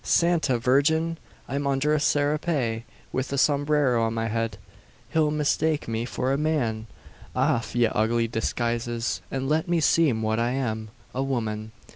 "Santa Virgin! I'm under a serape, with a sombrero on my head. He'll mistake me for a man! Off, ye ugly disguises, and let me seem what I am a woman."